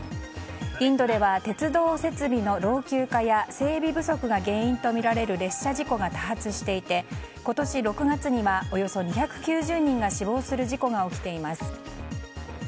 インドでは鉄道設備の老朽化や整備不足が原因とみられる列車事故が多発していて今年６月にはおよそ２９０人が死亡する事故が起きています。